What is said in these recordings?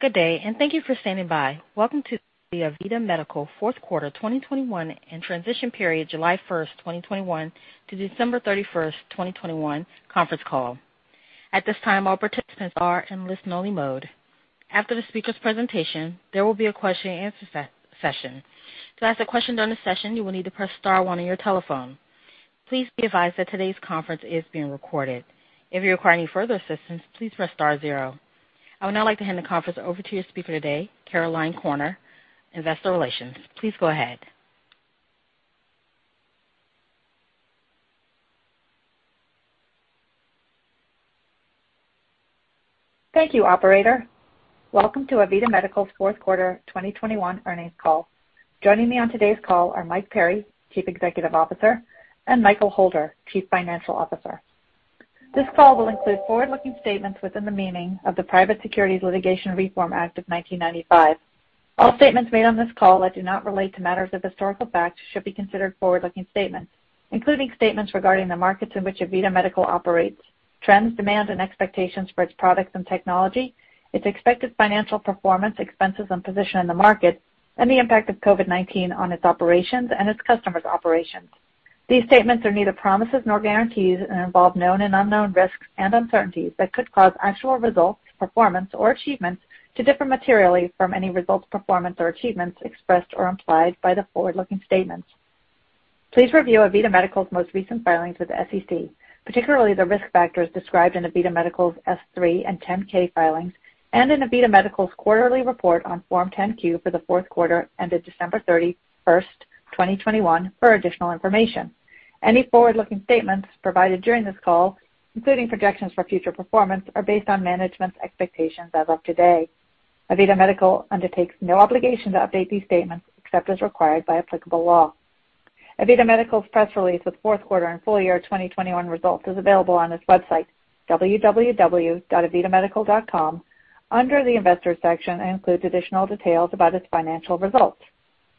Good day, and thank you for standing by. Welcome to the AVITA Medical fourth quarter 2021 and transition period July 1, 2021 to December 31, 2021 conference call. At this time, all participants are in listen-only mode. After the speaker's presentation, there will be a question-and-answer session. To ask a question during the session, you will need to press star one on your telephone. Please be advised that today's conference is being recorded. If you require any further assistance, please press star zero. I would now like to hand the conference over to your speaker today, Caroline Corner, Investor Relations. Please go ahead. Thank you, operator. Welcome to AVITA Medical's fourth quarter 2021 earnings call. Joining me on today's call are Mike Perry, Chief Executive Officer, and Michael Holder, Chief Financial Officer. This call will include forward-looking statements within the meaning of the Private Securities Litigation Reform Act of 1995. All statements made on this call that do not relate to matters of historical fact should be considered forward-looking statements, including statements regarding the markets in which AVITA Medical operates, trends, demand, and expectations for its products and technology, its expected financial performance, expenses, and position in the market, and the impact of COVID-19 on its operations and its customers' operations. These statements are neither promises nor guarantees and involve known and unknown risks and uncertainties that could cause actual results, performance, or achievements to differ materially from any results, performance, or achievements expressed or implied by the forward-looking statements. Please review AVITA Medical's most recent filings with the SEC, particularly the risk factors described in AVITA Medical's S-3 and 10-K filings and in AVITA Medical's quarterly report on Form 10-Q for the fourth quarter ended December 31, 2021, for additional information. Any forward-looking statements provided during this call, including projections for future performance, are based on management's expectations as of today. AVITA Medical undertakes no obligation to update these statements except as required by applicable law. AVITA Medical's press release with fourth quarter and full year 2021 results is available on its website, www.avitamedical.com, under the Investors section, and includes additional details about its financial results.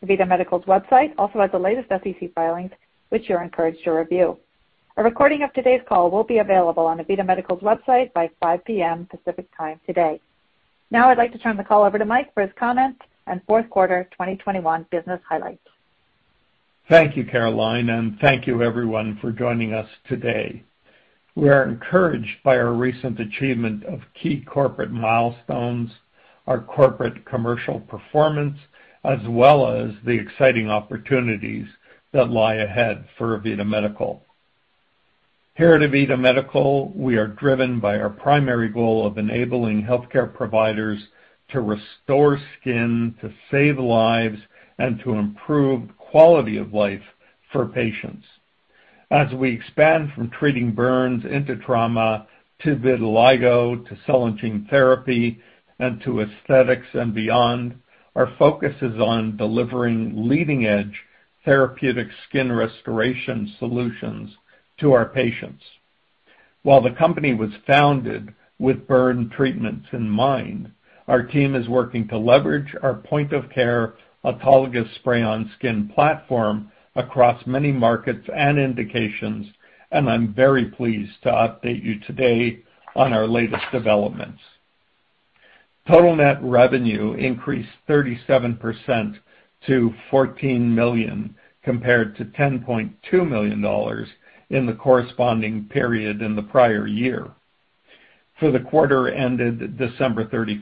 AVITA Medical's website also has the latest SEC filings, which you're encouraged to review. A recording of today's call will be available on AVITA Medical's website by 5:00 P.M. Pacific Time today. Now I'd like to turn the call over to Mike for his comments and fourth quarter 2021 business highlights. Thank you, Caroline, and thank you everyone for joining us today. We are encouraged by our recent achievement of key corporate milestones, our corporate commercial performance, as well as the exciting opportunities that lie ahead for AVITA Medical. Here at AVITA Medical, we are driven by our primary goal of enabling healthcare providers to restore skin, to save lives, and to improve quality of life for patients. As we expand from treating burns into trauma, to vitiligo, to cell and gene therapy, and to aesthetics and beyond, our focus is on delivering leading-edge therapeutic skin restoration solutions to our patients. While the company was founded with burn treatments in mind, our team is working to leverage our point-of-care autologous spray-on skin platform across many markets and indications, and I'm very pleased to update you today on our latest developments. Total net revenue increased 37% to $14 million, compared to $10.2 million in the corresponding period in the prior year. For the quarter ended December 31,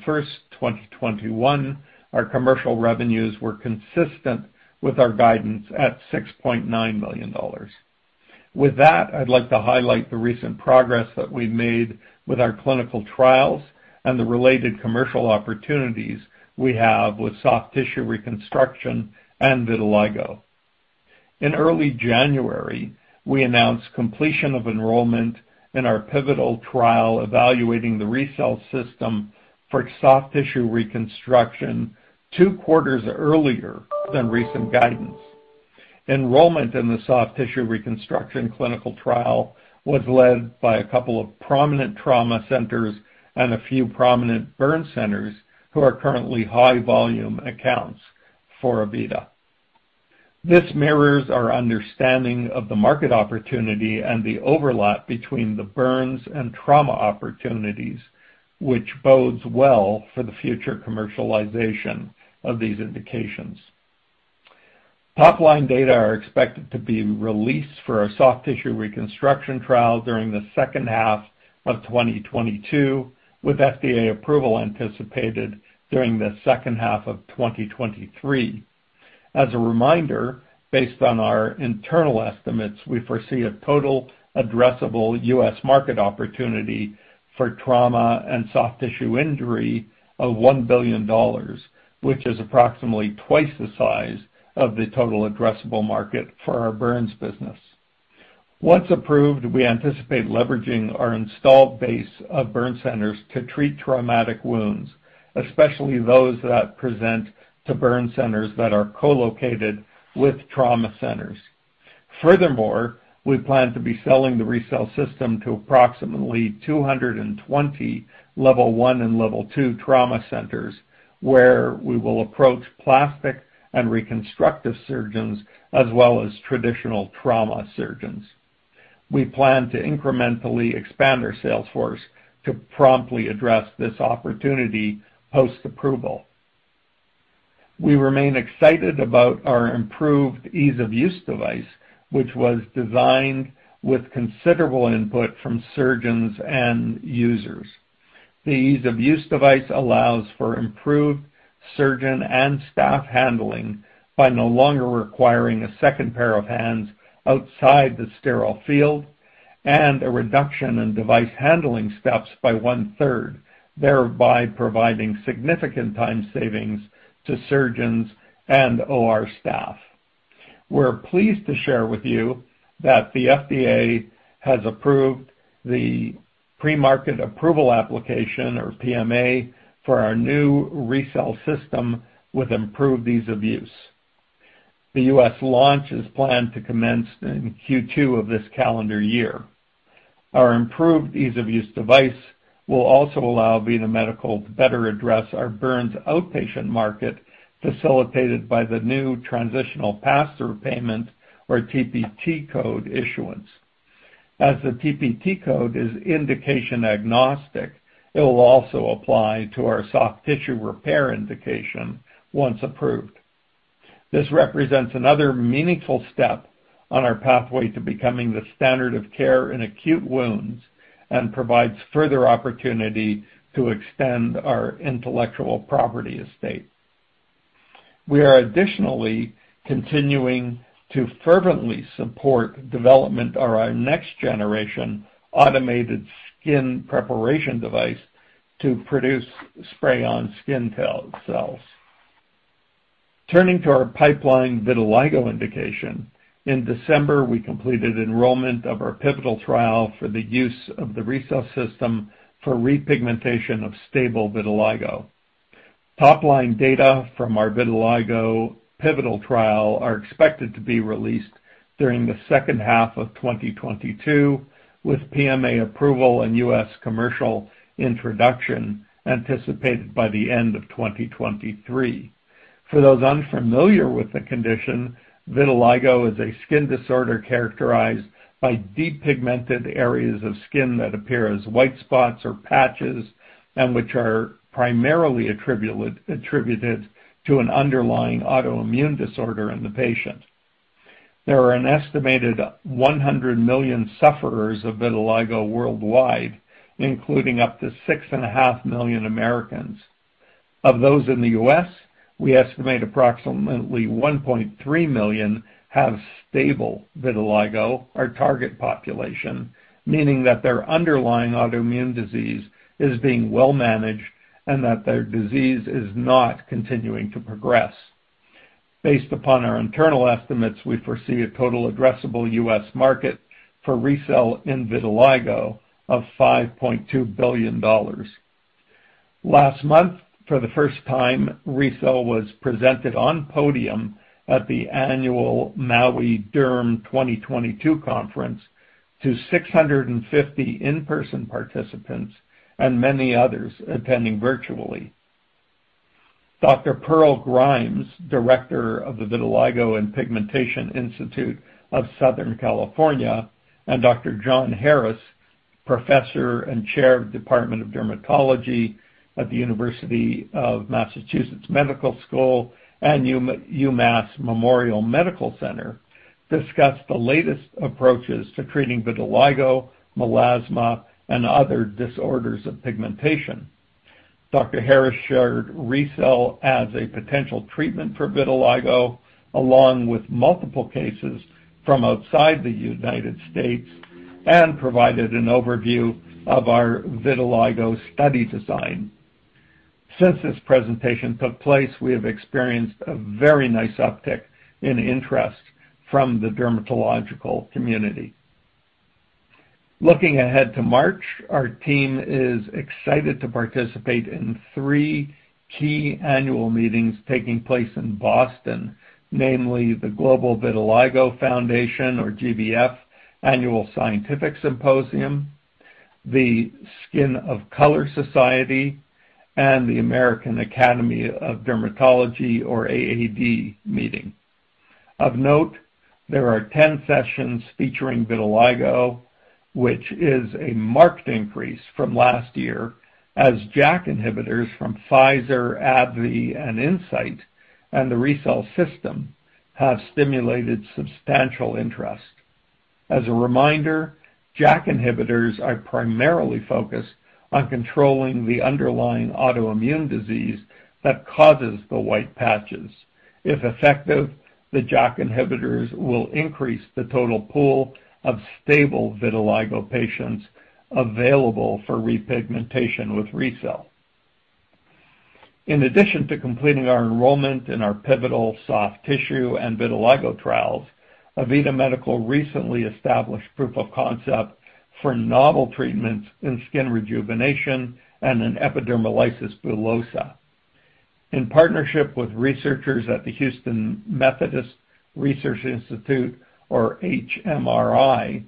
2021, our commercial revenues were consistent with our guidance at $6.9 million. With that, I'd like to highlight the recent progress that we've made with our clinical trials and the related commercial opportunities we have with soft tissue reconstruction and vitiligo. In early January, we announced completion of enrollment in our pivotal trial evaluating the RECELL system for soft tissue reconstruction 2 quarters earlier than recent guidance. Enrollment in the soft tissue reconstruction clinical trial was led by a couple of prominent trauma centers and a few prominent burn centers who are currently high-volume accounts for Avita. This mirrors our understanding of the market opportunity and the overlap between the burns and trauma opportunities, which bodes well for the future commercialization of these indications. Top-line data are expected to be released for our soft tissue reconstruction trial during the second half of 2022, with FDA approval anticipated during the second half of 2023. As a reminder, based on our internal estimates, we foresee a total addressable U.S. market opportunity for trauma and soft tissue injury of $1 billion, which is approximately twice the size of the total addressable market for our burns business. Once approved, we anticipate leveraging our installed base of burn centers to treat traumatic wounds, especially those that present to burn centers that are co-located with trauma centers. Furthermore, we plan to be selling the RECELL system to approximately 220 level one and level two trauma centers, where we will approach plastic and reconstructive surgeons as well as traditional trauma surgeons. We plan to incrementally expand our sales force to promptly address this opportunity post-approval. We remain excited about our improved ease-of-use device, which was designed with considerable input from surgeons and users. The ease-of-use device allows for improved surgeon and staff handling by no longer requiring a second pair of hands outside the sterile field and a reduction in device handling steps by one-third, thereby providing significant time savings to surgeons and OR staff. We're pleased to share with you that the FDA has approved the pre-market approval application, or PMA, for our new RECELL system with improved ease of use. The U.S. launch is planned to commence in Q2 of this calendar year. Our improved ease-of-use device will also allow AVITA Medical to better address our burns outpatient market, facilitated by the new Transitional Pass-through payment or TPT code issuance. As the TPT code is indication agnostic, it will also apply to our soft tissue repair indication once approved. This represents another meaningful step on our pathway to becoming the standard of care in acute wounds and provides further opportunity to extend our intellectual property estate. We are additionally continuing to fervently support development of our next-generation automated skin preparation device to produce spray-on skin cells. Turning to our pipeline vitiligo indication, in December, we completed enrollment of our pivotal trial for the use of the RECELL system for repigmentation of stable vitiligo. Top-line data from our vitiligo pivotal trial are expected to be released during the second half of 2022, with PMA approval and U.S. commercial introduction anticipated by the end of 2023. For those unfamiliar with the condition, vitiligo is a skin disorder characterized by depigmented areas of skin that appear as white spots or patches and which are primarily attributed to an underlying autoimmune disorder in the patient. There are an estimated 100 million sufferers of vitiligo worldwide, including up to 6.5 million Americans. Of those in the U.S., we estimate approximately 1.3 million have stable vitiligo, our target population, meaning that their underlying autoimmune disease is being well managed and that their disease is not continuing to progress. Based upon our internal estimates, we foresee a total addressable U.S. market for RECELL in vitiligo of $5.2 billion. Last month, for the first time, RECELL was presented on podium at the annual Maui Derm 2022 conference to 650 in-person participants and many others attending virtually. Dr. Pearl Grimes, director of the Vitiligo & Pigmentation Institute of Southern California, and Dr. John Harris, Professor and Chair of Department of Dermatology at UMass Chan Medical School and UMass Memorial Medical Center, discussed the latest approaches to treating vitiligo, melasma, and other disorders of pigmentation. Dr. Harris shared RECELL as a potential treatment for vitiligo along with multiple cases from outside the U.S. and provided an overview of our vitiligo study design. Since this presentation took place, we have experienced a very nice uptick in interest from the dermatological community. Looking ahead to March, our team is excited to participate in 3 key annual meetings taking place in Boston, namely the Global Vitiligo Foundation, or GVF, Annual Scientific Symposium, the Skin of Color Society, and the American Academy of Dermatology, or AAD, meeting. Of note, there are 10 sessions featuring vitiligo, which is a marked increase from last year as JAK inhibitors from Pfizer, AbbVie, and Incyte, and the RECELL system have stimulated substantial interest. As a reminder, JAK inhibitors are primarily focused on controlling the underlying autoimmune disease that causes the white patches. If effective, the JAK inhibitors will increase the total pool of stable vitiligo patients available for repigmentation with RECELL. In addition to completing our enrollment in our pivotal soft tissue and vitiligo trials, AVITA Medical recently established proof of concept for novel treatments in skin rejuvenation and in epidermolysis bullosa. In partnership with researchers at the Houston Methodist Research Institute, or HMRI,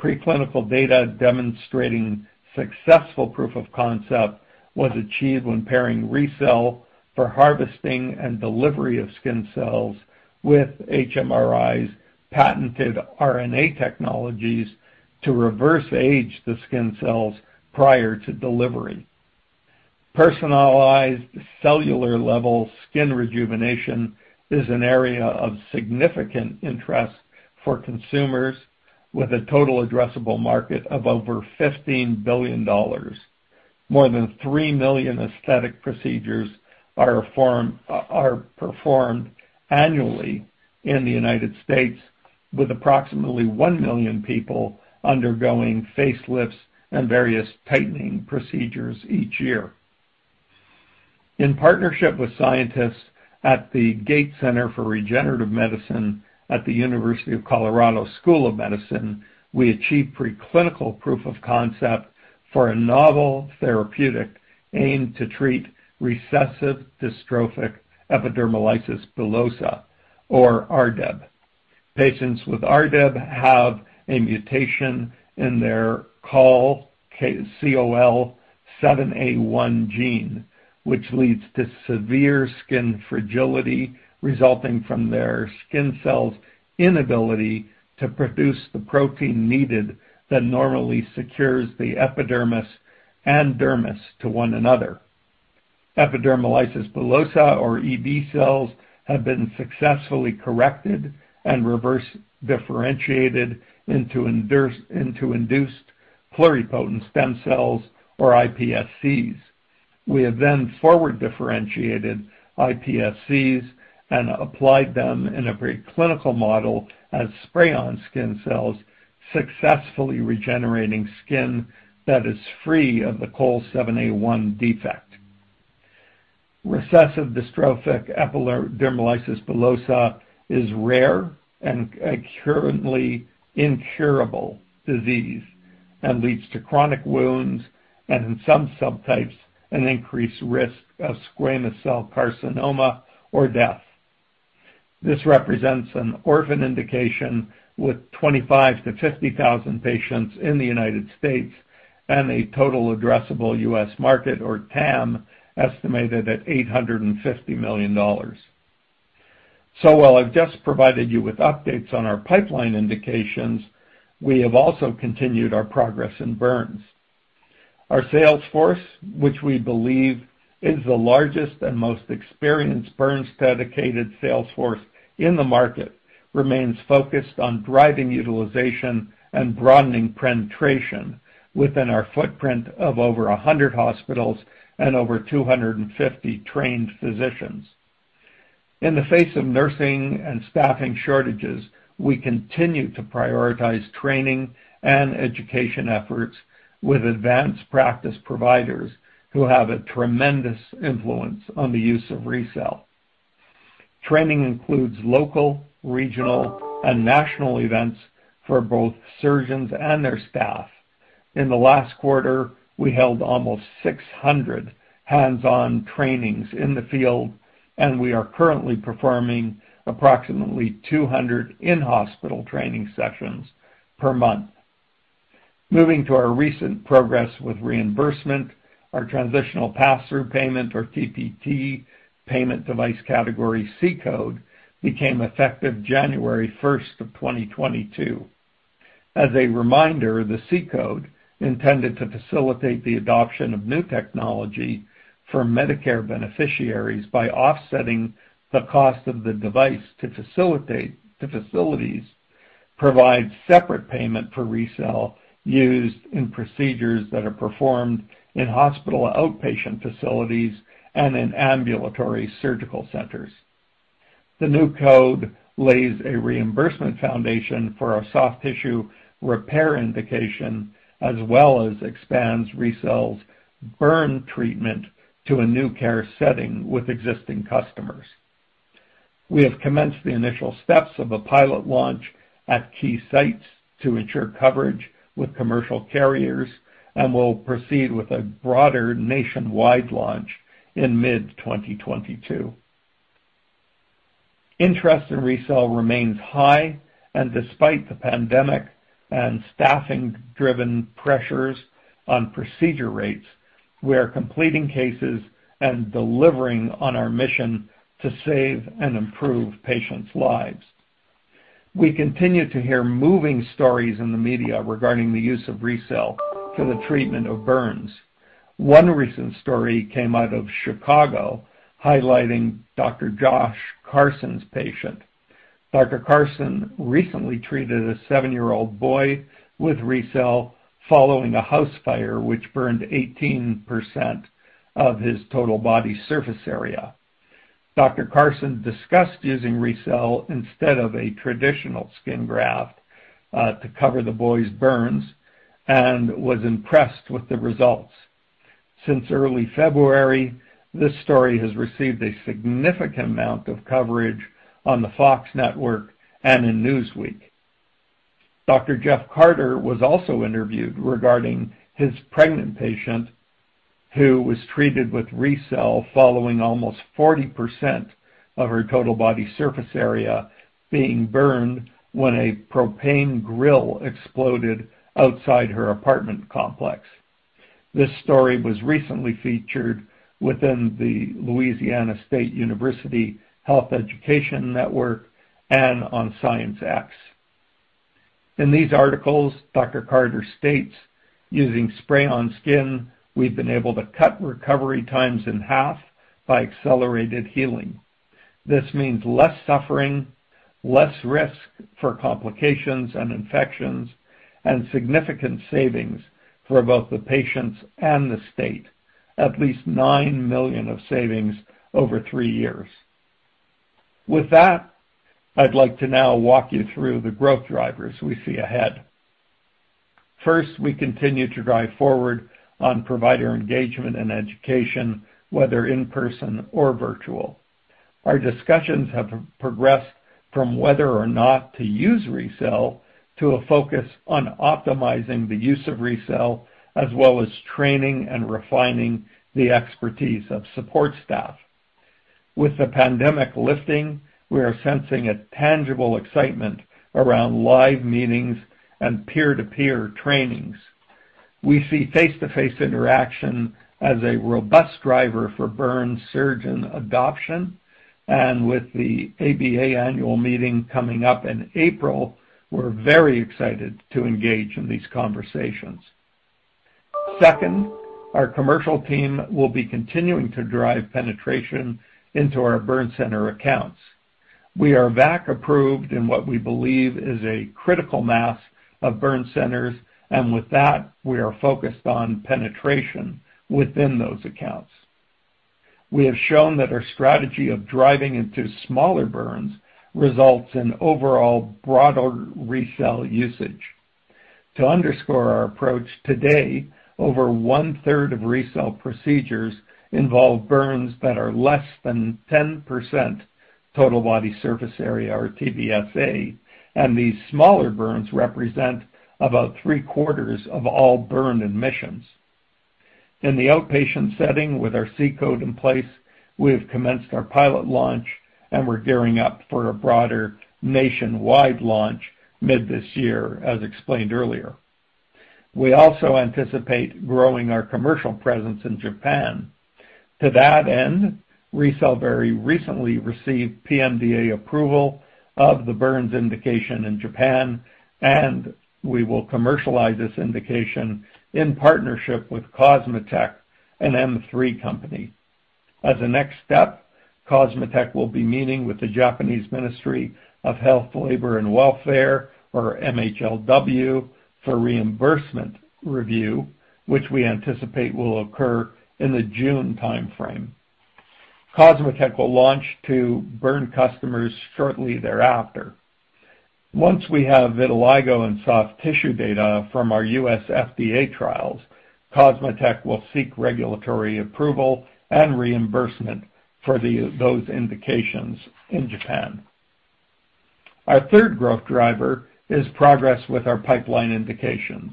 preclinical data demonstrating successful proof of concept was achieved when pairing RECELL for harvesting and delivery of skin cells with HMRI's patented RNA technologies to reverse age the skin cells prior to delivery. Personalized cellular level skin rejuvenation is an area of significant interest for consumers with a total addressable market of over $15 billion. More than 3 million aesthetic procedures are performed annually in the United States, with approximately 1 million people undergoing facelifts and various tightening procedures each year. In partnership with scientists at the Gates Center for Regenerative Medicine at the University of Colorado School of Medicine, we achieved preclinical proof of concept for a novel therapeutic aimed to treat recessive dystrophic epidermolysis bullosa, or RDEB. Patients with RDEB have a mutation in their COL7A1 gene, which leads to severe skin fragility resulting from their skin cells' inability to produce the protein needed that normally secures the epidermis and dermis to one another. Epidermolysis bullosa or EB cells have been successfully corrected and reverse differentiated into induced pluripotent stem cells, or iPSCs. We have then forward differentiated iPSCs and applied them in a preclinical model as spray-on skin cells, successfully regenerating skin that is free of the COL7A1 defect. Recessive dystrophic epidermolysis bullosa is a rare and currently incurable disease and leads to chronic wounds and, in some subtypes, an increased risk of squamous cell carcinoma or death. This represents an orphan indication with 25-50,000 patients in the United States and a total addressable U.S. market, or TAM, estimated at $850 million. While I've just provided you with updates on our pipeline indications, we have also continued our progress in burns. Our sales force, which we believe is the largest and most experienced burns dedicated sales force in the market, remains focused on driving utilization and broadening penetration within our footprint of over 100 hospitals and over 250 trained physicians. In the face of nursing and staffing shortages, we continue to prioritize training and education efforts with advanced practice providers who have a tremendous influence on the use of RECELL. Training includes local, regional, and national events for both surgeons and their staff. In the last quarter, we held almost 600 hands-on trainings in the field, and we are currently performing approximately 200 in-hospital training sessions per month. Moving to our recent progress with reimbursement, our Transitional Pass-through payment or TPT payment device category C code became effective January 1, 2022. As a reminder, the C code, intended to facilitate the adoption of new technology for Medicare beneficiaries by offsetting the cost of the device to facilities, provides separate payment for RECELL used in procedures that are performed in hospital outpatient facilities and in ambulatory surgical centers. The new code lays a reimbursement foundation for our soft tissue repair indication, as well as expands RECELL's burn treatment to a new care setting with existing customers. We have commenced the initial steps of a pilot launch at key sites to ensure coverage with commercial carriers, and will proceed with a broader nationwide launch in mid-2022. Interest in RECELL remains high, and despite the pandemic and staffing driven pressures on procedure rates, we are completing cases and delivering on our mission to save and improve patients' lives. We continue to hear moving stories in the media regarding the use of RECELL for the treatment of burns. One recent story came out of Chicago highlighting Dr. Josh Carson's patient. Dr. Carson recently treated a seven-year-old boy with RECELL following a house fire which burned 18% of his total body surface area. Dr. Carson discussed using RECELL instead of a traditional skin graft to cover the boy's burns and was impressed with the results. Since early February, this story has received a significant amount of coverage on the Fox network and in Newsweek. Dr. Jeff Carter was also interviewed regarding his pregnant patient who was treated with RECELL following almost 40% of her total body surface area being burned when a propane grill exploded outside her apartment complex. This story was recently featured within the Louisiana State University Health Education Network and on Science X. In these articles, Dr. Carter states, "Using spray-on skin, we've been able to cut recovery times in half by accelerated healing. This means less suffering, less risk for complications and infections, and significant savings for both the patients and the state, at least $9 million of savings over three years." With that, I'd like to now walk you through the growth drivers we see ahead. First, we continue to drive forward on provider engagement and education, whether in person or virtual. Our discussions have progressed from whether or not to use RECELL to a focus on optimizing the use of RECELL, as well as training and refining the expertise of support staff. With the pandemic lifting, we are sensing a tangible excitement around live meetings and peer-to-peer trainings. We see face-to-face interaction as a robust driver for burn surgeon adoption, and with the ABA annual meeting coming up in April, we're very excited to engage in these conversations. Second, our commercial team will be continuing to drive penetration into our burn center accounts. We are VAC-approved in what we believe is a critical mass of burn centers, and with that, we are focused on penetration within those accounts. We have shown that our strategy of driving into smaller burns results in overall broader RECELL usage. To underscore our approach, today, over 1/3 of RECELL procedures involve burns that are less than 10% total body surface area, or TBSA, and these smaller burns represent about 3/4 of all burn admissions. In the outpatient setting with our C code in place, we have commenced our pilot launch, and we're gearing up for a broader nationwide launch mid this year as explained earlier. We also anticipate growing our commercial presence in Japan. To that end, RECELL very recently received PMDA approval of the burns indication in Japan, and we will commercialize this indication in partnership with COSMOTEC, an M3 company. As a next step, COSMOTEC will be meeting with the Japanese Ministry of Health, Labor, and Welfare, or MHLW, for reimbursement review, which we anticipate will occur in the June timeframe. COSMOTEC will launch to burn customers shortly thereafter. Once we have vitiligo and soft tissue data from our U.S. FDA trials, COSMOTEC will seek regulatory approval and reimbursement for those indications in Japan. Our third growth driver is progress with our pipeline indications.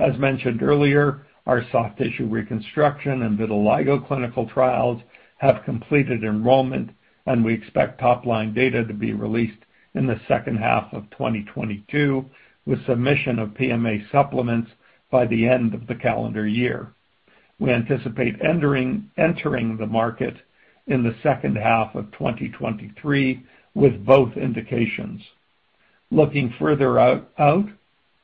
As mentioned earlier, our soft tissue reconstruction and vitiligo clinical trials have completed enrollment, and we expect top-line data to be released in the second half of 2022, with submission of PMA supplements by the end of the calendar year. We anticipate entering the market in the second half of 2023 with both indications. Looking further out,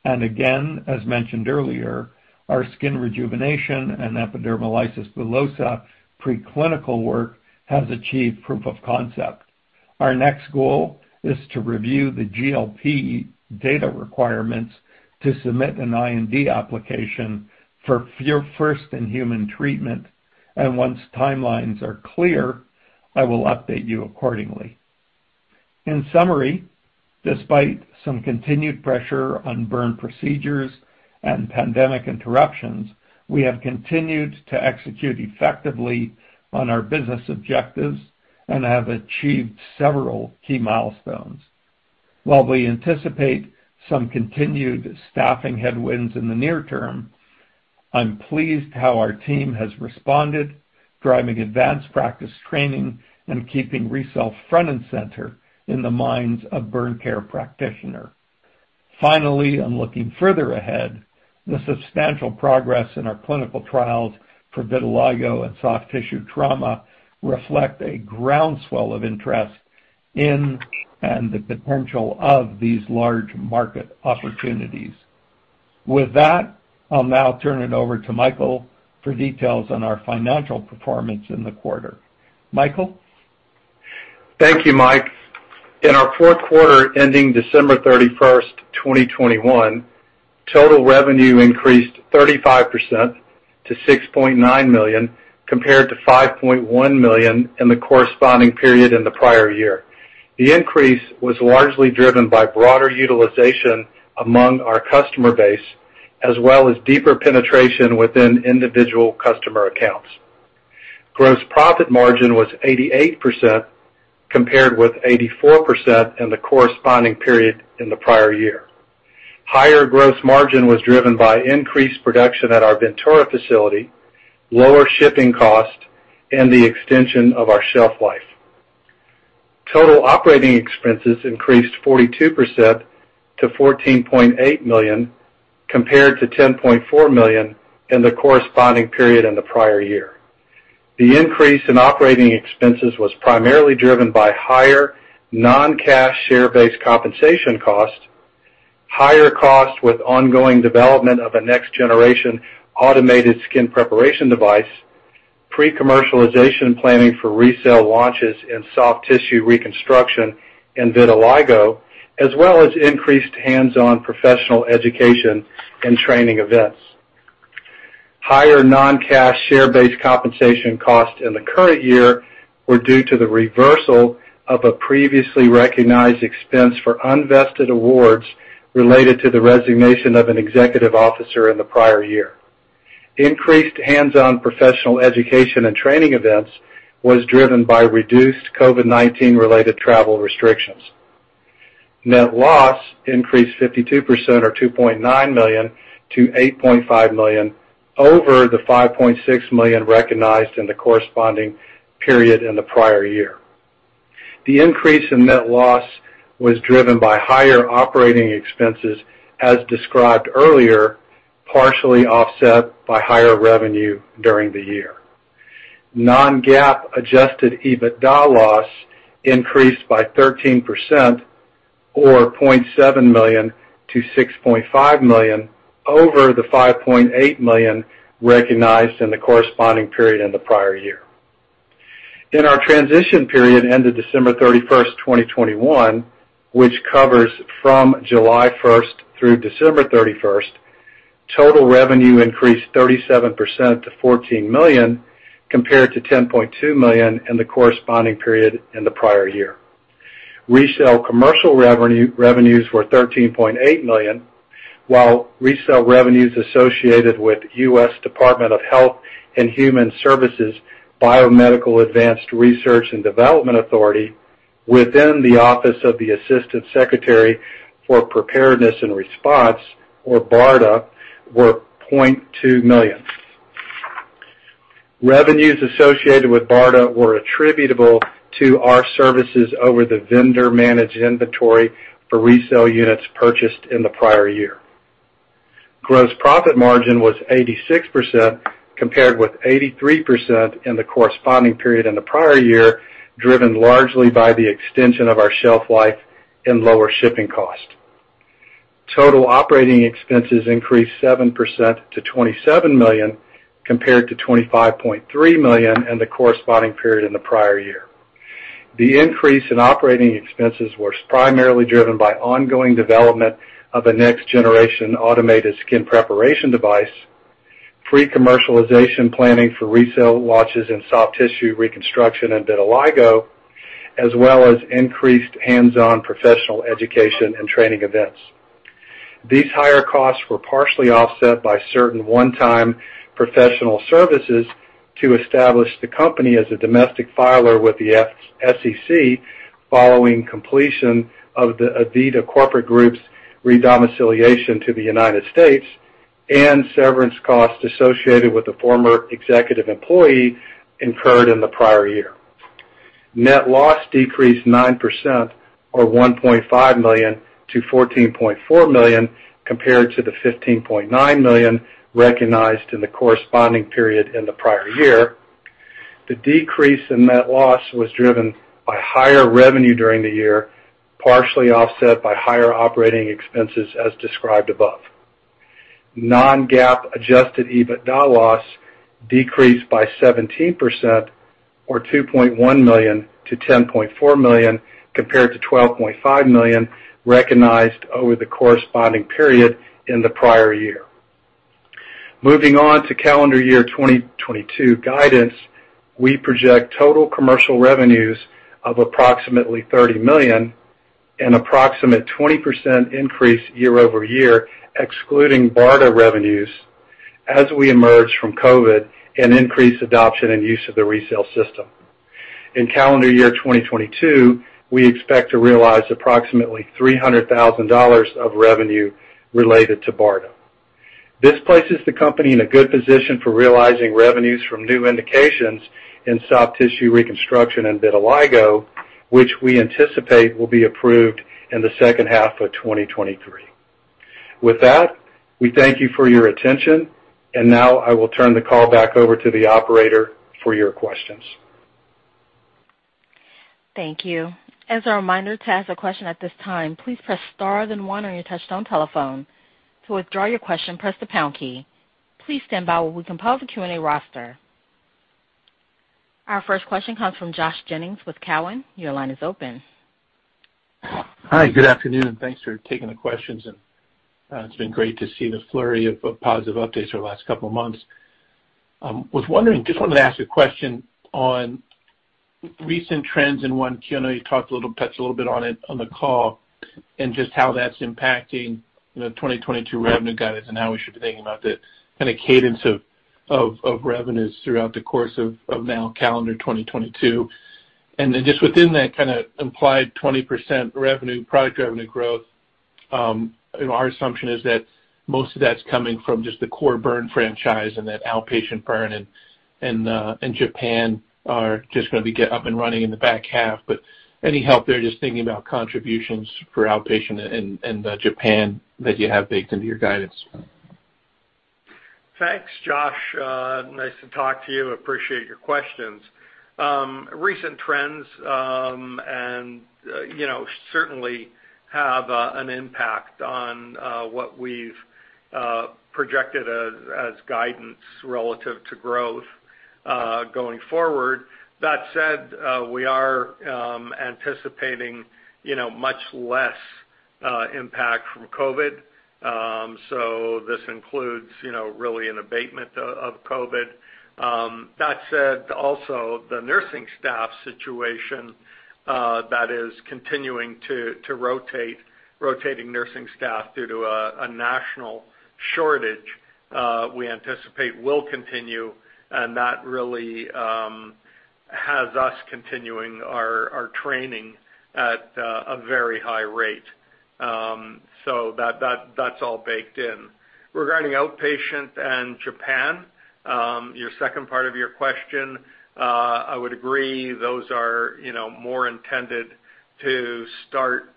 and again, as mentioned earlier, our skin rejuvenation and epidermolysis bullosa preclinical work has achieved proof of concept. Our next goal is to review the GLP data requirements to submit an IND application for first in human treatment, and once timelines are clear, I will update you accordingly. In summary, despite some continued pressure on burn procedures and pandemic interruptions, we have continued to execute effectively on our business objectives and have achieved several key milestones. While we anticipate some continued staffing headwinds in the near term, I'm pleased how our team has responded, driving advanced practice training and keeping RECELL front and center in the minds of burn care practitioner. Finally, and looking further ahead, the substantial progress in our clinical trials for vitiligo and soft tissue trauma reflect a groundswell of interest in, and the potential of these large market opportunities. With that, I'll now turn it over to Michael for details on our financial performance in the quarter. Michael? Thank you, Mike. In our fourth quarter ending December 31, 2021, total revenue increased 35% to $6.9 million, compared to $5.1 million in the corresponding period in the prior year. The increase was largely driven by broader utilization among our customer base, as well as deeper penetration within individual customer accounts. Gross profit margin was 88%, compared with 84% in the corresponding period in the prior year. Higher gross margin was driven by increased production at our Ventura facility, lower shipping costs, and the extension of our shelf life. Total operating expenses increased 42% to $14.8 million, compared to $10.4 million in the corresponding period in the prior year. The increase in operating expenses was primarily driven by higher non-cash share-based compensation cost, higher cost with ongoing development of a next-generation automated skin preparation device, pre-commercialization planning for RECELL launches in soft tissue reconstruction and vitiligo, as well as increased hands-on professional education and training events. Higher non-cash share-based compensation costs in the current year were due to the reversal of a previously recognized expense for unvested awards related to the resignation of an executive officer in the prior year. Increased hands-on professional education and training events was driven by reduced COVID-19 related travel restrictions. Net loss increased 52% or $2.9 million to $8.5 million over the $5.6 million recognized in the corresponding period in the prior year. The increase in net loss was driven by higher operating expenses, as described earlier, partially offset by higher revenue during the year. Non-GAAP adjusted EBITDA loss increased by 13% or $0.7 million to $6.5 million over the $5.8 million recognized in the corresponding period in the prior year. In our transition period ended December 31, 2021, which covers from July 1 through December 31, total revenue increased 37% to $14 million compared to $10.2 million in the corresponding period in the prior year. Resale commercial revenues were $13.8 million, while resale revenues associated with U.S. Department of Health and Human Services' Biomedical Advanced Research and Development Authority within the Office of the Assistant Secretary for Preparedness and Response, or BARDA, were $0.2 million. Revenues associated with BARDA were attributable to our services over the vendor-managed inventory for RECELL units purchased in the prior year. Gross profit margin was 86% compared with 83% in the corresponding period in the prior year, driven largely by the extension of our shelf life and lower shipping cost. Total operating expenses increased 7% to $27 million compared to $25.3 million in the corresponding period in the prior year. The increase in operating expenses was primarily driven by ongoing development of a next generation automated skin preparation device, pre-commercialization planning for RECELL launches in soft tissue reconstruction and vitiligo, as well as increased hands-on professional education and training events. These higher costs were partially offset by certain one-time professional services to establish the company as a domestic filer with the SEC following completion of the AVITA corporate group's redomiciliation to the United States and severance costs associated with the former executive employee incurred in the prior year. Net loss decreased 9% or $1.5 million to $14.4 million compared to the $15.9 million recognized in the corresponding period in the prior year. The decrease in net loss was driven by higher revenue during the year, partially offset by higher operating expenses as described above. Non-GAAP adjusted EBITDA loss decreased by 17% or $2.1 million to $10.4 million compared to $12.5 million recognized over the corresponding period in the prior year. Moving on to calendar year 2022 guidance. We project total commercial revenues of approximately $30 million, an approximate 20% increase year-over-year, excluding BARDA revenues, as we emerge from COVID and increase adoption and use of the RECELL system. In calendar year 2022, we expect to realize approximately $300,000 of revenue related to BARDA. This places the company in a good position for realizing revenues from new indications in soft tissue reconstruction and vitiligo, which we anticipate will be approved in the second half of 2023. With that, we thank you for your attention, and now I will turn the call back over to the operator for your questions. Thank you. As a reminder, to ask a question at this time, please press star then one on your touchtone telephone. To withdraw your question, press the pound key. Please stand by while we compile the Q&A roster. Our first question comes from Josh Jennings with Cowen. Your line is open. Hi. Good afternoon, and thanks for taking the questions. It's been great to see the flurry of positive updates over the last couple of months. Was wondering, just wanted to ask a question on recent trends in 1Q 2022. You talked a little, touched a little bit on it on the call and just how that's impacting, you know, 2022 revenue guidance and how we should be thinking about the, kind of, cadence of revenues throughout the course of now calendar 2022. Just within that kind of implied 20% revenue, product revenue growth, you know, our assumption is that most of that's coming from just the core burn franchise and that outpatient burn and Japan are just gonna get up and running in the back half. Any help there just thinking about contributions for outpatient in Japan that you have baked into your guidance? Thanks, Josh. Nice to talk to you. Appreciate your questions. Recent trends and, you know, certainly have an impact on what we've projected as guidance relative to growth going forward. That said, we are anticipating, you know, much less impact from COVID. This includes, you know, really an abatement of COVID. That said, also the nursing staff situation that is continuing to rotate nursing staff due to a national shortage we anticipate will continue, and that really has us continuing our training at a very high rate. That's all baked in. Regarding outpatient and Japan, your second part of your question, I would agree, those are, you know, more intended to start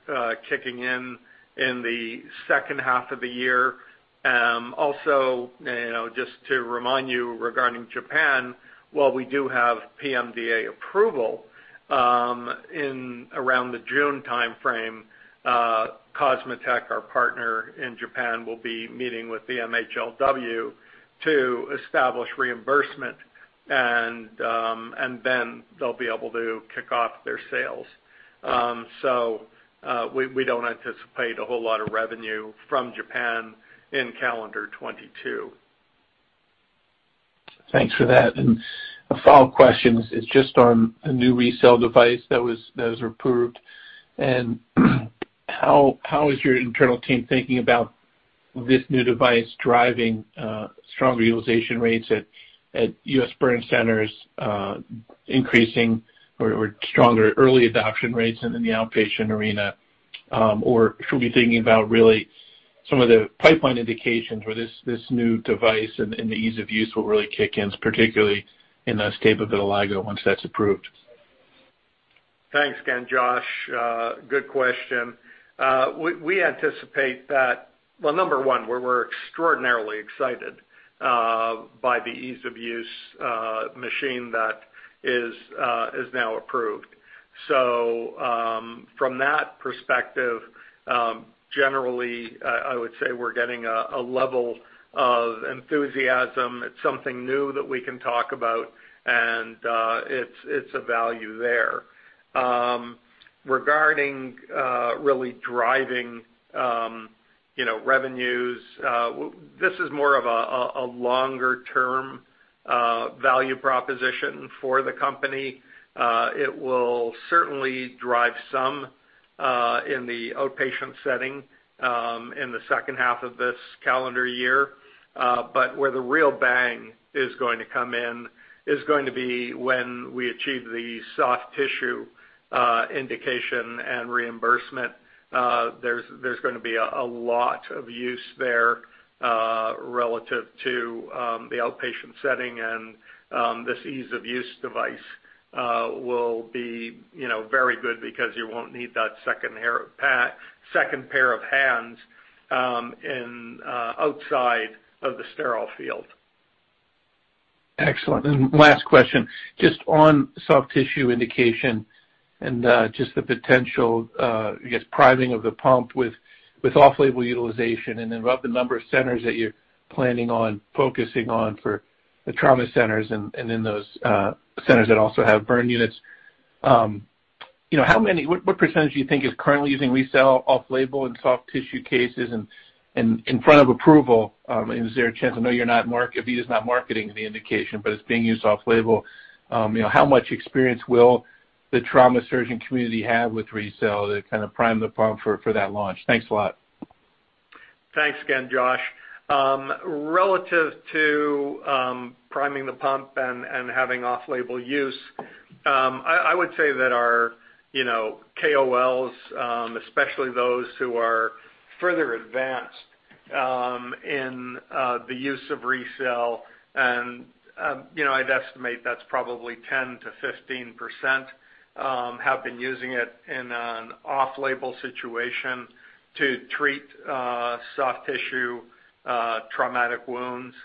kicking in the second half of the year. Also, you know, just to remind you regarding Japan, while we do have PMDA approval, in around the June timeframe, COSMOTEC, our partner in Japan, will be meeting with the MHLW to establish reimbursement and then they'll be able to kick off their sales. So, we don't anticipate a whole lot of revenue from Japan in calendar 2022. Thanks for that. A follow-up question is just on a new RECELL device that was approved. How is your internal team thinking about this new device driving strong utilization rates at U.S. burn centers, increasing or stronger early adoption rates in the outpatient arena? Or should we be thinking about really some of the pipeline indications for this new device and the ease of use will really kick in, particularly in the stable vitiligo once that's approved? Thanks again, Josh. Good question. We anticipate that. Well, number one, we're extraordinarily excited by the ease of use machine that is now approved. From that perspective, generally, I would say we're getting a level of enthusiasm. It's something new that we can talk about, and it's a value there. Regarding really driving you know revenues, this is more of a longer-term value proposition for the company. It will certainly drive some in the outpatient setting in the second half of this calendar year. But where the real bang is going to come in is going to be when we achieve the soft tissue indication and reimbursement. There's gonna be a lot of use there relative to the outpatient setting. This ease of use device will be, you know, very good because you won't need that second pair of hands outside of the sterile field. Excellent. Last question, just on soft tissue indication and just the potential, I guess, priming of the pump with off-label utilization and then about the number of centers that you're planning on focusing on for the trauma centers and then those centers that also have burn units. You know, what percentage do you think is currently using RECELL off-label in soft tissue cases? And in front of approval, is there a chance. I know you're not marketing—AVITA's not marketing the indication, but it's being used off label. You know, how much experience will the trauma surgeon community have with RECELL to kind of prime the pump for that launch? Thanks a lot. Thanks again, Josh. Relative to priming the pump and having off-label use, I would say that our, you know, KOLs, especially those who are further advanced, in the use of RECELL and, you know, I'd estimate that's probably 10%-15%, have been using it in an off-label situation to treat soft tissue traumatic wounds.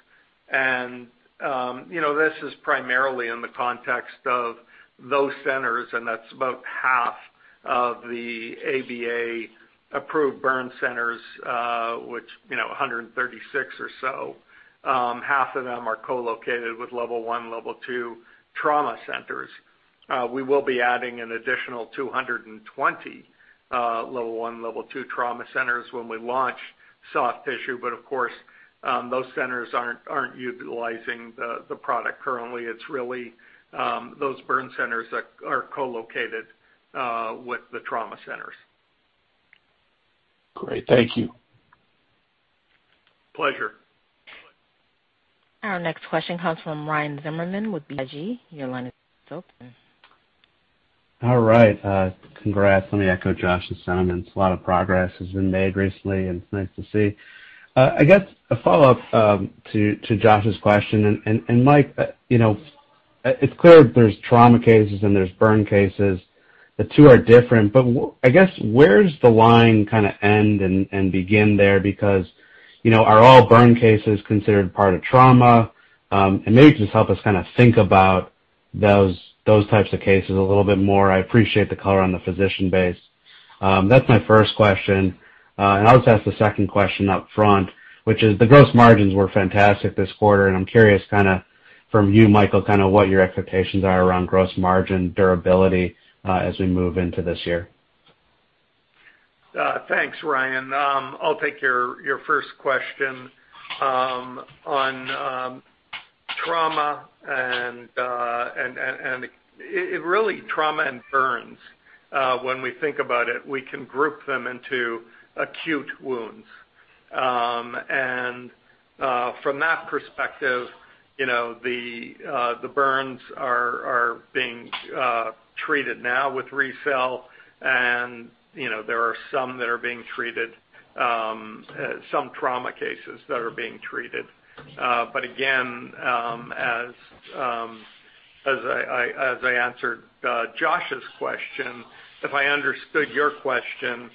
You know, this is primarily in the context of those centers, and that's about half of the ABA approved burn centers, which, you know, 136 or so. Half of them are co-located with level one, level two trauma centers. We will be adding an additional 220 level one, level two trauma centers when we launch soft tissue, but of course, those centers aren't utilizing the product currently. It's really those burn centers that are co-located with the trauma centers. Great. Thank you. Pleasure. Our next question comes from Ryan Zimmerman with BTIG. Your line is open. All right. Congrats. Let me echo Josh's sentiments. A lot of progress has been made recently, and it's nice to see. I guess a follow-up to Josh's question. Mike, you know, it's clear there's trauma cases and there's burn cases. The two are different, but I guess where's the line kinda end and begin there? Because, you know, are all burn cases considered part of trauma? Maybe just help us kinda think about those types of cases a little bit more. I appreciate the color on the physician base. That's my first question. I'll just ask the second question up front, which is the gross margins were fantastic this quarter, and I'm curious kinda from you, Michael, kinda what your expectations are around gross margin durability as we move into this year. Thanks, Ryan. I'll take your first question. On trauma and burns, when we think about it, we can group them into acute wounds. From that perspective, you know, the burns are being treated now with RECELL and, you know, there are some trauma cases that are being treated. But again, as I answered Josh's question, if I understood your question,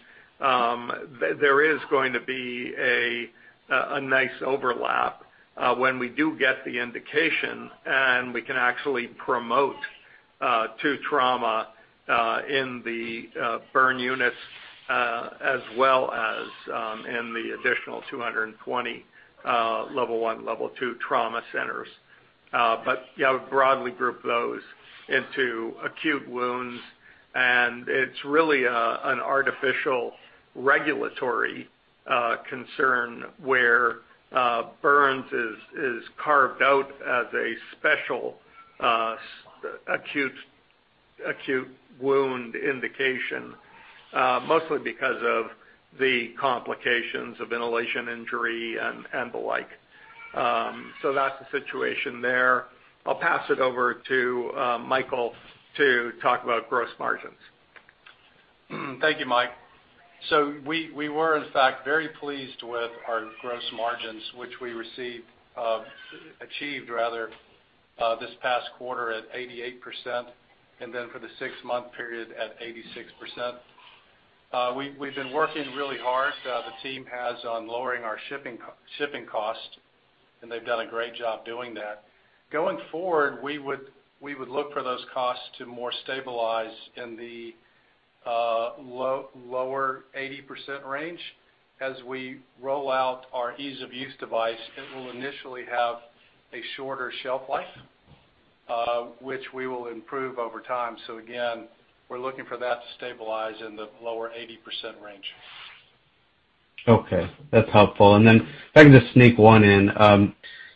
there is going to be a nice overlap, when we do get the indication, and we can actually promote to trauma in the burn units, as well as in the additional 220 level one, level two trauma centers. I would broadly group those into acute wounds, and it's really an artificial regulatory concern where burns is carved out as a special acute wound indication, mostly because of the complications of inhalation injury and the like. That's the situation there. I'll pass it over to Michael to talk about gross margins. Thank you, Mike. We were in fact very pleased with our gross margins, which we achieved rather this past quarter at 88%, and then for the six-month period at 86%. We've been working really hard, the team has on lowering our shipping costs, and they've done a great job doing that. Going forward, we would look for those costs to more stabilize in the lower 80% range. As we roll out our ease of use device, it will initially have a shorter shelf life, which we will improve over time. Again, we're looking for that to stabilize in the lower 80% range. Okay, that's helpful. If I can just sneak one in,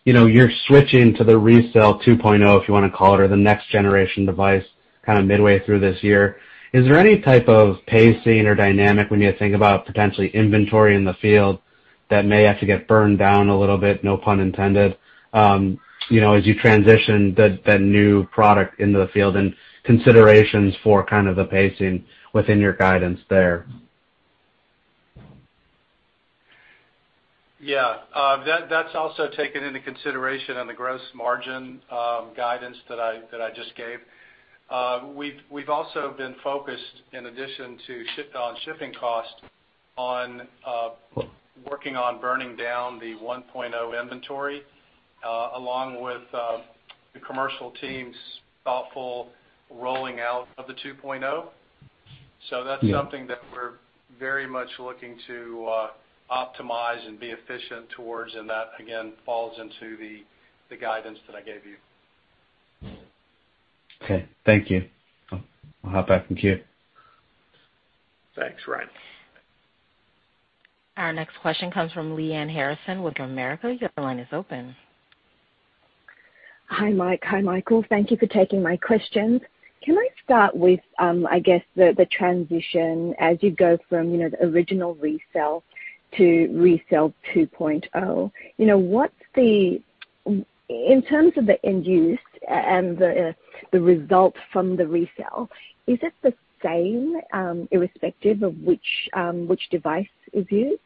you know, you're switching to the RECELL 2.0, if you wanna call it, or the next generation device kinda midway through this year. Is there any type of pacing or dynamic when you think about potentially inventory in the field that may have to get burned down a little bit, no pun intended, you know, as you transition the new product into the field and considerations for kind of the pacing within your guidance there? Yeah. That's also taken into consideration on the gross margin guidance that I just gave. We've also been focused in addition to shipping costs on working on burning down the 1.0 inventory along with the commercial team's thoughtful rolling out of the 2.0. Yeah. That's something that we're very much looking to, optimize and be efficient towards, and that again falls into the guidance that I gave you. Okay. Thank you. I'll hop back in queue. Thanks, Ryan. Our next question comes from Lyanne Harrison with Bank of America. Your line is open. Hi, Mike. Hi, Michael. Thank you for taking my questions. Can I start with, I guess the transition as you go from the original RECELL to RECELL 2.0. In terms of the end use and the result from the RECELL, is it the same irrespective of which device is used?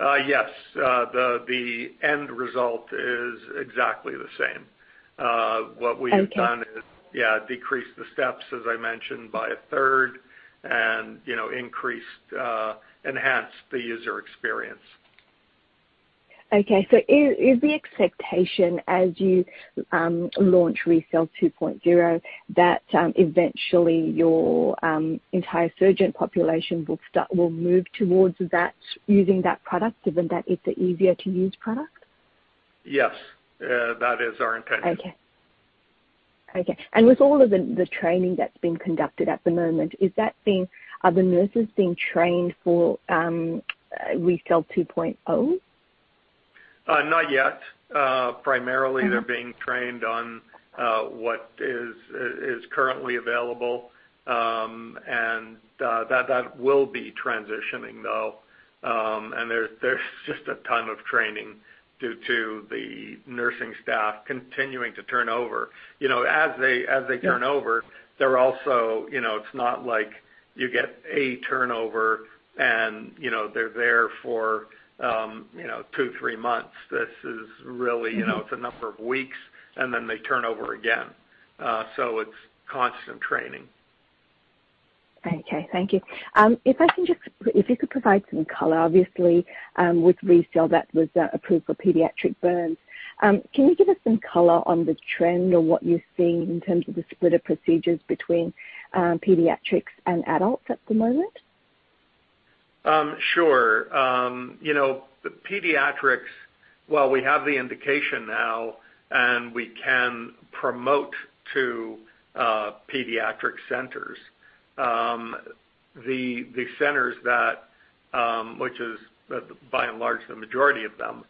Yes. The end result is exactly the same. Okay. What we have done is, yeah, decrease the steps, as I mentioned, by a third and, you know, increased, enhanced the user experience. Okay. Is the expectation as you launch RECELL 2.0, that eventually your entire surgeon population will move towards that, using that product given that it's an easier to use product? Yes. That is our intention. With all of the training that's been conducted at the moment, are the nurses being trained for RECELL 2.0? Not yet. Primarily Okay... they're being trained on what is currently available. That will be transitioning though. There's just a ton of training due to the nursing staff continuing to turn over. You know, as they turn over. Yeah... they're also, you know, it's not like you get a turnover and, you know, they're there for, you know, 2, 3 months. This is really, you know, it's a number of weeks, and then they turn over again. So it's constant training. Okay, thank you. If you could provide some color, obviously, with RECELL that was approved for pediatric burns. Can you give us some color on the trend or what you're seeing in terms of the split of procedures between pediatrics and adults at the moment? Sure. You know, the pediatrics, while we have the indication now and we can promote to pediatric centers, the centers that, which is by and large the majority of them,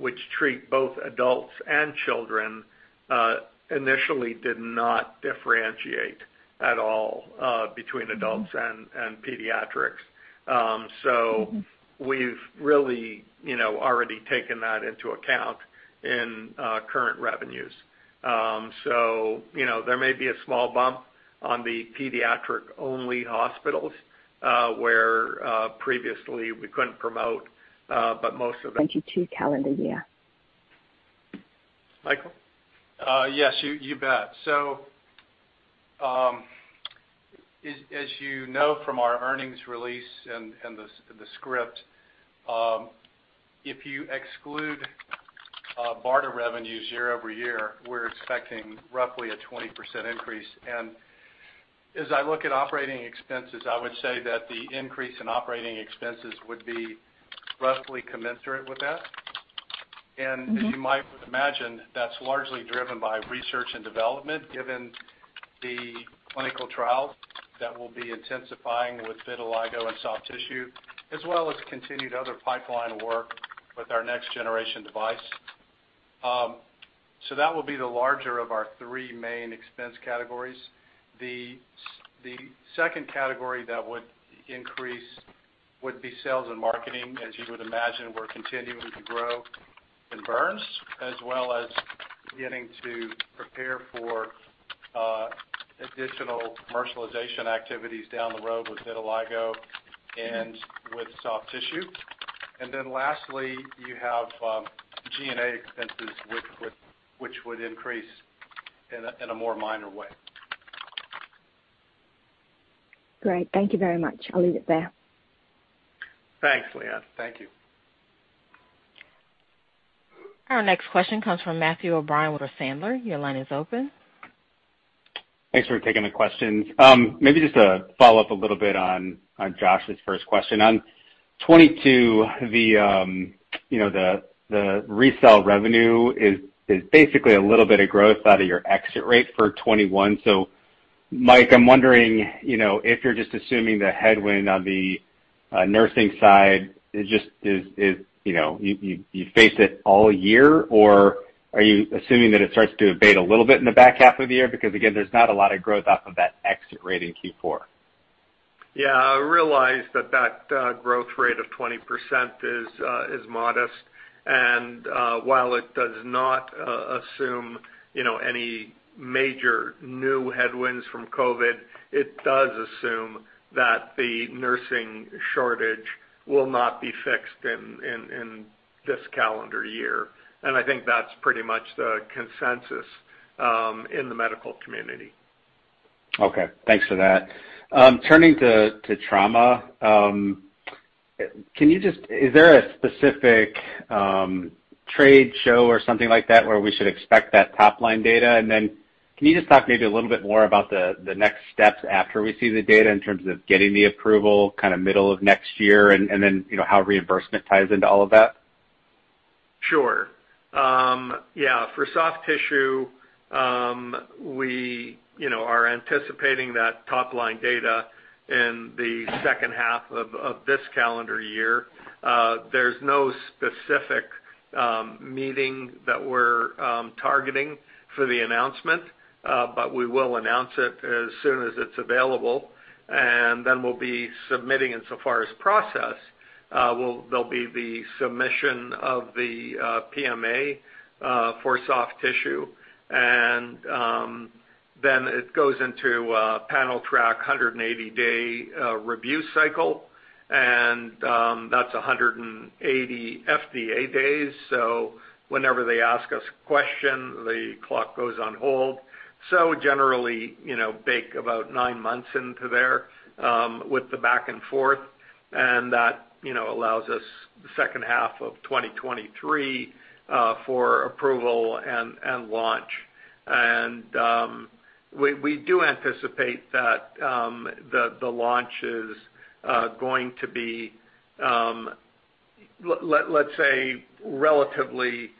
which treat both adults and children, initially did not differentiate at all between adults and pediatrics. We've really you know already taken that into account in current revenues. You know, there may be a small bump on the pediatric only hospitals, where previously we couldn't promote, but most of them- 2022 calendar year. Michael? Yes. You bet. As you know from our earnings release and the script, if you exclude BARDA revenues year over year, we're expecting roughly a 20% increase. As I look at operating expenses, I would say that the increase in operating expenses would be roughly commensurate with that. Mm-hmm. As you might imagine, that's largely driven by research and development, given the clinical trials that will be intensifying with vitiligo and soft tissue, as well as continued other pipeline work with our next generation device. That will be the larger of our three main expense categories. The second category that would increase would be sales and marketing. As you would imagine, we're continuing to grow in burns, as well as beginning to prepare for additional commercialization activities down the road with vitiligo and with soft tissue. Then lastly, you have G&A expenses which would increase in a more minor way. Great. Thank you very much. I'll leave it there. Thanks, Lyanne. Thank you. Our next question comes from Matthew O'Brien with Piper Sandler. Your line is open. Thanks for taking the questions. Maybe just to follow up a little bit on Josh's first question. On 2022, the RECELL revenue is basically a little bit of growth out of your exit rate for 2021. Mike, I'm wondering if you're just assuming the headwind on the nursing side is the one you faced all year, or are you assuming that it starts to abate a little bit in the back half of the year? Because again, there's not a lot of growth off of that exit rate in Q4. Yeah, I realize that growth rate of 20% is modest. While it does not assume, you know, any major new headwinds from COVID, it does assume that the nursing shortage will not be fixed in this calendar year. I think that's pretty much the consensus in the medical community. Okay, thanks for that. Turning to trauma, is there a specific trade show or something like that where we should expect that top-line data? Then can you just talk maybe a little bit more about the next steps after we see the data in terms of getting the approval kind of middle of next year and then, you know, how reimbursement ties into all of that? Sure. Yeah, for soft tissue, we, you know, are anticipating that top-line data in the second half of this calendar year. There's no specific meeting that we're targeting for the announcement, but we will announce it as soon as it's available, and then we'll be submitting insofar as process. There'll be the submission of the PMA for soft tissue, and then it goes into a panel track 180-day review cycle. That's 180 FDA days. Whenever they ask us a question, the clock goes on hold. Generally, you know, bake about nine months into there with the back and forth, and that, you know, allows us the second half of 2023 for approval and launch. We do anticipate that the launch is going to be, let's say, relatively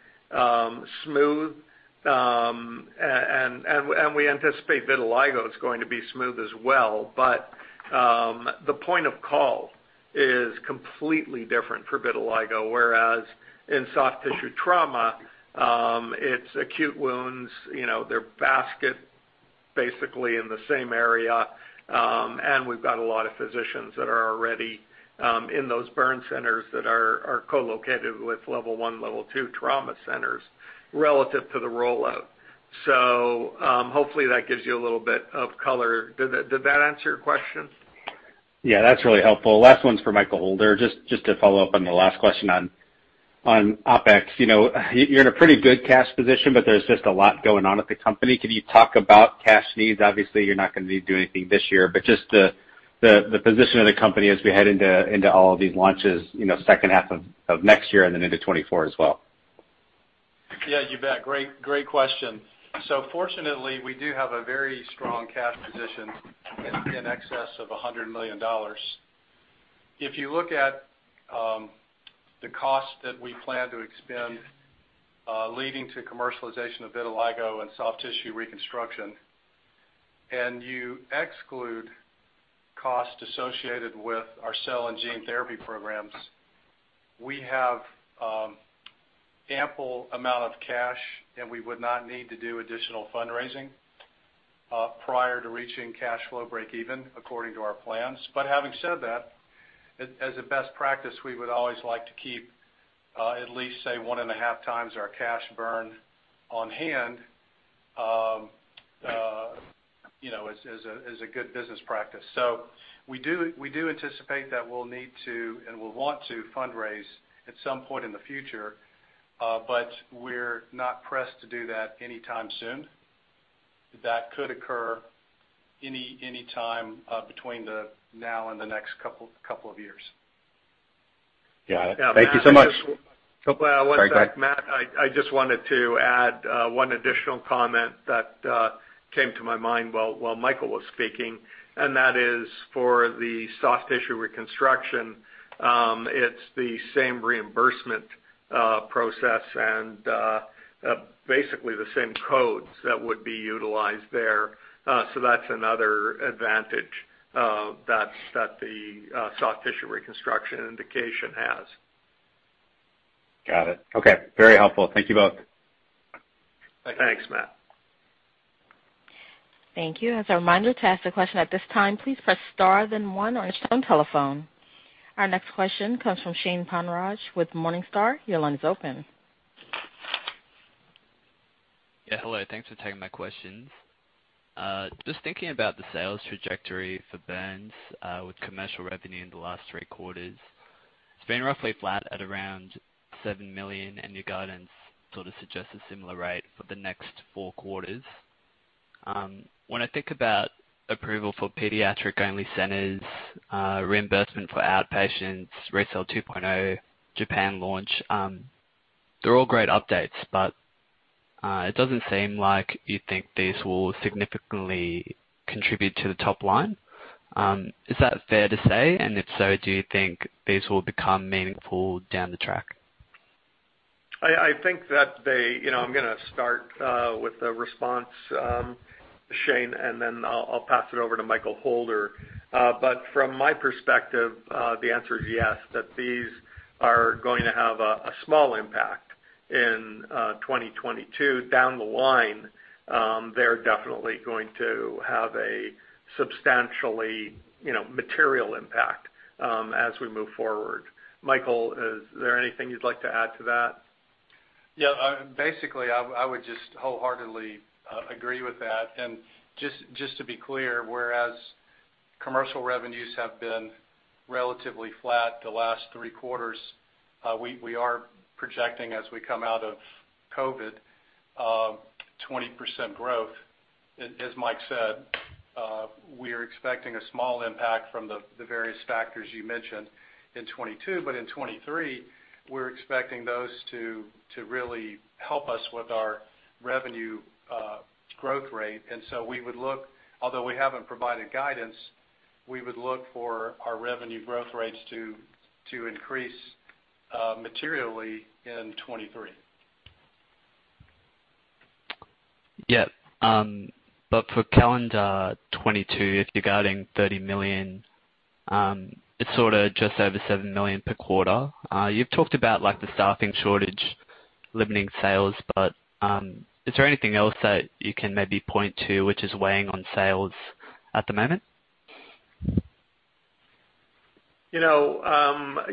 smooth. We anticipate vitiligo is going to be smooth as well, but the point of care is completely different for vitiligo, whereas in soft tissue trauma, it's acute wounds, you know, they're basically in the same area. We've got a lot of physicians that are already in those burn centers that are co-located with Level I, Level II trauma centers relative to the rollout. Hopefully that gives you a little bit of color. Did that answer your question? Yeah, that's really helpful. Last one's for Michael Holder, just to follow up on the last question on OpEx. You know, you're in a pretty good cash position, but there's just a lot going on at the company. Can you talk about cash needs? Obviously, you're not gonna be doing anything this year, but just the position of the company as we head into all of these launches, you know, second half of next year and then into 2024 as well. Yeah, you bet. Great question. Fortunately, we do have a very strong cash position in excess of $100 million. If you look at the cost that we plan to expend leading to commercialization of vitiligo and soft tissue reconstruction, and you exclude costs associated with our cell and gene therapy programs, we have ample amount of cash, and we would not need to do additional fundraising prior to reaching cash flow break even according to our plans. Having said that, as a best practice, we would always like to keep at least, say, 1.5 times our cash burn on hand, you know, as a good business practice. We do anticipate that we'll need to, and will want to fundraise at some point in the future, but we're not pressed to do that anytime soon. That could occur any time between now and the next couple of years. Got it. Thank you so much. Well, one sec, Matt. Sorry. Go ahead. I just wanted to add one additional comment that came to my mind while Michael was speaking, and that is for the soft tissue reconstruction. It's the same reimbursement process and basically the same codes that would be utilized there. That's another advantage that the soft tissue reconstruction indication has. Got it. Okay. Very helpful. Thank you both. Thanks, Matt. Thank you. As a reminder, to ask a question at this time, please press star then one on your telephone. Our next question comes from Shane Ponraj with Morningstar. Your line is open. Yeah, hello. Thanks for taking my questions. Just thinking about the sales trajectory for burns, with commercial revenue in the last three quarters, it's been roughly flat at around $7 million, and your guidance sort of suggests a similar rate for the next four quarters. When I think about approval for pediatric only centers, reimbursement for outpatients, RECELL 2.0, Japan launch, they're all great updates, but it doesn't seem like you think these will significantly contribute to the top line. Is that fair to say? And if so, do you think these will become meaningful down the track? I think that they. You know, I'm gonna start with the response, Shane, and then I'll pass it over to Michael Holder. But from my perspective, the answer is yes, that these are going to have a small impact in 2022. Down the line, they're definitely going to have a substantially, you know, material impact, as we move forward. Michael, is there anything you'd like to add to that? Yeah. Basically, I would just wholeheartedly agree with that. Just to be clear, whereas commercial revenues have been relatively flat the last three quarters, we are projecting as we come out of COVID, 20% growth. As Mike said, we're expecting a small impact from the various factors you mentioned in 2022, but in 2023, we're expecting those to really help us with our revenue growth rate. Although we haven't provided guidance, we would look for our revenue growth rates to increase materially in 2023. Yeah. For calendar 2022, if you're guiding $30 million, it's sorta just over $7 million per quarter. You've talked about like the staffing shortage limiting sales, but is there anything else that you can maybe point to which is weighing on sales at the moment? You know,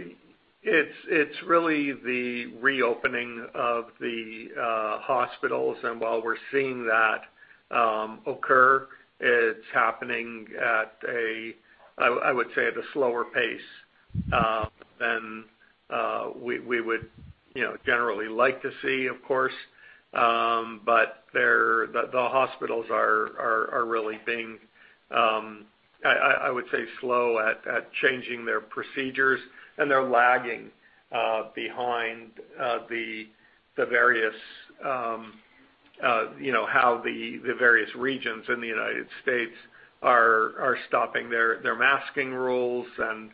it's really the reopening of the hospitals. While we're seeing that occur, it's happening at a, I would say, at a slower pace than we would you know generally like to see, of course. The hospitals are really being, I would say, slow at changing their procedures, and they're lagging behind the various you know how the various regions in the United States are stopping their masking rules and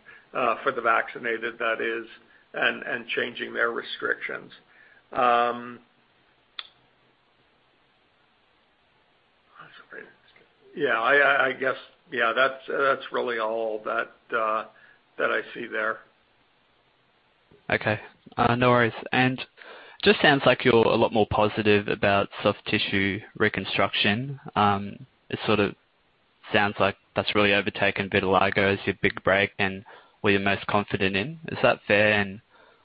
for the vaccinated that is, and changing their restrictions. Yeah, I guess that's really all that I see there. Okay. No worries. Just sounds like you're a lot more positive about soft tissue reconstruction. Sounds like that's really overtaken vitiligo as your big break and what you're most confident in. Is that fair?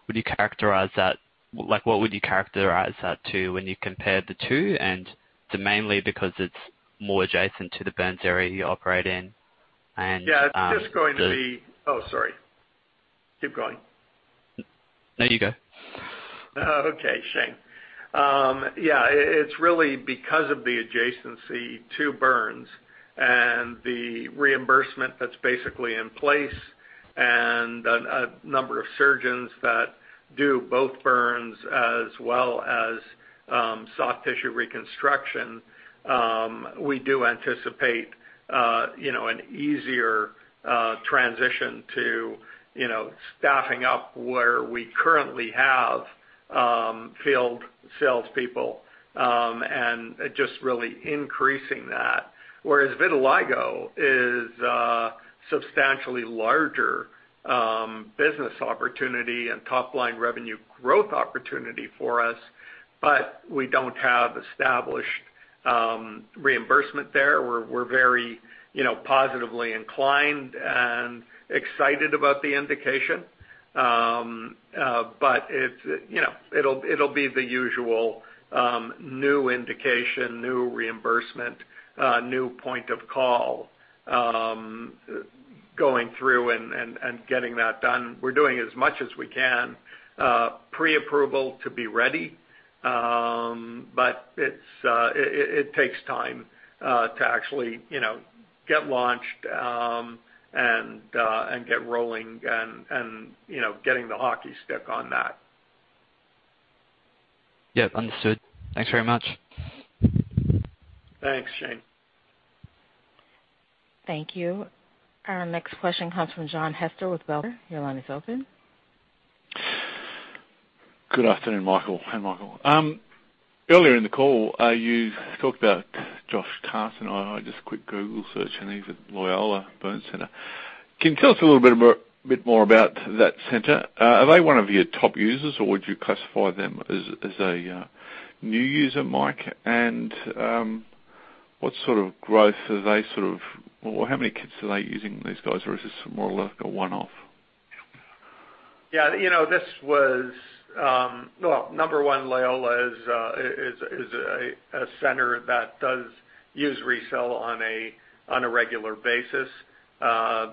Would you characterize that? Like, what would you characterize that to when you compare the two, and to mainly because it's more adjacent to the burns area you operate in and, Yeah, it's just going to be. Oh, sorry. Keep going. No, you go. Okay, Shane. Yeah, it's really because of the adjacency to burns and the reimbursement that's basically in place, and a number of surgeons that do both burns as well as soft tissue reconstruction. We do anticipate, you know, an easier transition to, you know, staffing up where we currently have field salespeople, and just really increasing that. Whereas vitiligo is a substantially larger business opportunity and top-line revenue growth opportunity for us, but we don't have established reimbursement there. We're very, you know, positively inclined and excited about the indication. But it's, you know, it'll be the usual new indication, new reimbursement, new point of call, going through and getting that done. We're doing as much as we can pre-approval to be ready, but it takes time to actually you know get launched and get rolling and you know getting the hockey stick on that. Yeah, understood. Thanks very much. Thanks, Shane. Thank you. Our next question comes from John Hester with Potter. Your line is open. Good afternoon, Michael. Hi, Michael. Earlier in the call, you talked about Josh Carson. I just quick Google searched, and he's at Loyola Burn Center. Can you tell us a little bit more about that center? Are they one of your top users, or would you classify them as a new user, Mike? What sort of growth are they, or how many kits are they using, these guys? Or is this more or less a one-off? Yeah, you know, this was, well, number one, Loyola is a center that does use RECELL on a regular basis.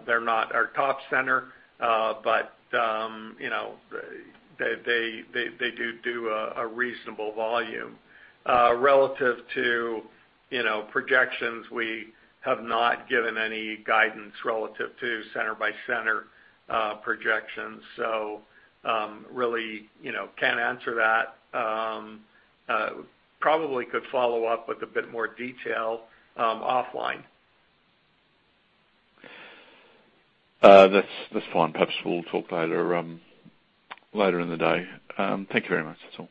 They're not our top center, but you know, they do a reasonable volume. Relative to projections, you know, we have not given any guidance relative to center-by-center projections. So really, you know, can't answer that. Probably could follow up with a bit more detail offline. That's fine. Perhaps we'll talk later in the day. Thank you very much. That's all.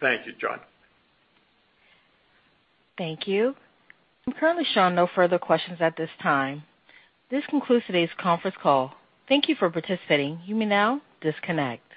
Thank you, John. Thank you. I'm currently showing no further questions at this time. This concludes today's conference call. Thank you for participating. You may now disconnect.